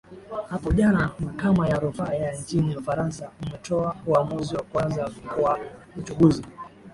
hapo jana makama ya rufaa ya nchini ufaransa umetoa uamuzi wa kuanza kwa uchuguzi